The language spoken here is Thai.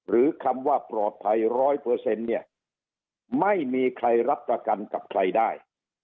เปอร์เซ็นต์เนี่ยไม่มีใครรับประกันกับใครได้